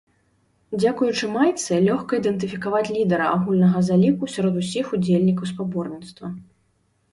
Дзякуючы майцы, лёгка ідэнтыфікаваць лідара агульнага заліку сярод усіх удзельнікаў спаборніцтва.